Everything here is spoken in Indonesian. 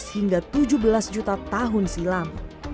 lima belas hingga tujuh belas juta tahun silam